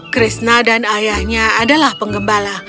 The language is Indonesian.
krishna dan ayahnya adalah penggembala